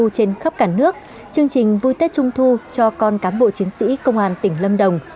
tết trung thu trên khắp cả nước chương trình vui tết trung thu cho con cán bộ chiến sĩ công an tỉnh lâm đồng